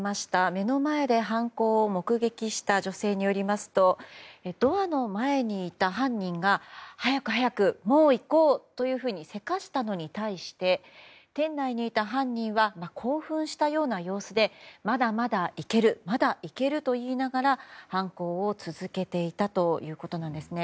目の前で犯行を目撃した女性によりますとドアの前にいた犯人が早く早くもう行こうというふうに急かしたのに対して店内にいた犯人は興奮したような様子でまだまだいけるまだいけると言いながら犯行を続けていたということなんですね。